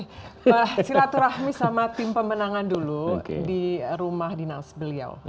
silaturahmi sama tim pemenangan dulu di rumah dinas beliau